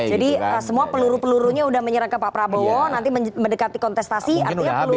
jadi semua peluru pelurunya sudah menyerang ke pak prabowo nanti mendekati kontestasi artinya pelurunya sudah habis